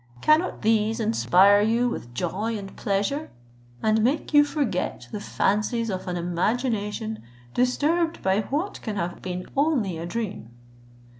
Cannot these inspire you with joy and pleasure, and make you forget the fancies of an imagination disturbed by what can have been only a dream?"